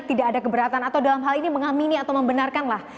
tidak ada keberatan atau dalam hal ini mengamini atau membenarkanlah